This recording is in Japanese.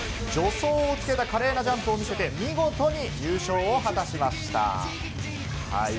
助走をつけた華麗なジャンプを見せ、見事に優勝を果たしました。